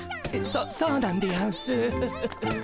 そそうなんでやんす。